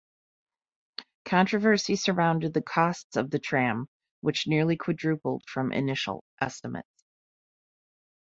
Controversy surrounded the costs of the tram, which nearly quadrupled from initial estimates.